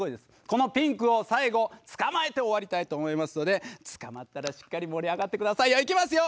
このピンクを最後捕まえて終わりたいと思いますので捕まったらしっかり盛り上がってくださいよいきますよ！